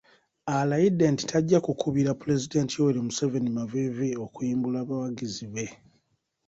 Alayidde nti tajja ku kubira Pulezidenti Yoweri Museveni maviivi okuyimbula abawagizi be.